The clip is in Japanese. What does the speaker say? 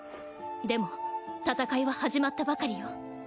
でも戦いは始まったばかりよ。